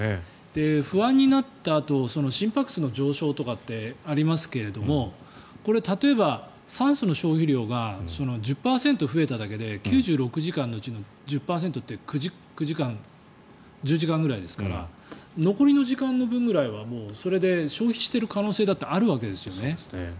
不安になったあと心拍数の上昇とかってありますがこれ、例えば酸素の消費量が１０％増えただけで９６時間のうちの１０％って９時間、１０時間ぐらいですから残りの時間の分ぐらいはもうそれで消費している可能性だってあるわけですよね。